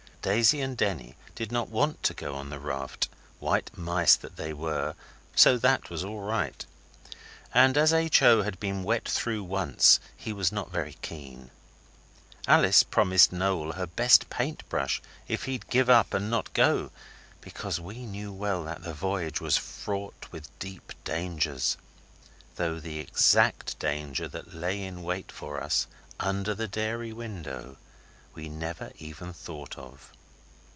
Daisy and Denny did not want to go on the raft, white mice that they were, so that was all right. And as H. O. had been wet through once he was not very keen. Alice promised Noel her best paint brush if he'd give up and not go, because we knew well that the voyage was fraught with deep dangers, though the exact danger that lay in wait for us under the dairy window we never even thought of.